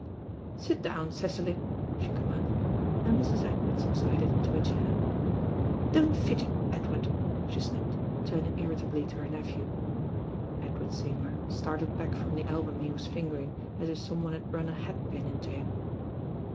"Sit down, Cecily," she commanded; and Mrs. Edward subsided into a chair. "Don't fidget, Ed ward," she snapped, turning irritably to her nephew. Edward Seymour started back from the album he was fingering, as if some one had run a hat pin into him.